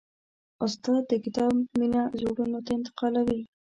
استاد د کتاب مینه زړونو ته انتقالوي.